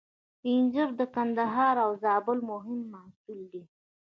انځر د کندهار او زابل مهم محصول دی.